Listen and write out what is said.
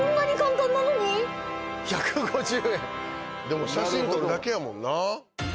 でも写真撮るだけやもんな。